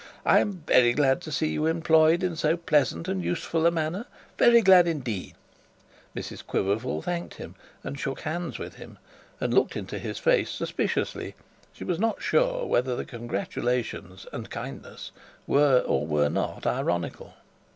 'I am very glad to see you employed in so pleasant and useful a manner; very glad indeed.' Mrs Quiverful thanked him, and shook hands with him, and looked into his face suspiciously. She was not sure whether the congratulations and kindness were or were not ironical.